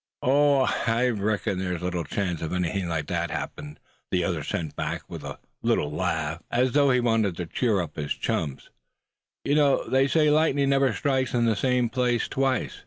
"Oh! I reckon there's little chance of anything like that happening," the other sent back, with a little laugh, as though he wanted to cheer his chums up; "you know, they say lightning never strikes in the same place twice.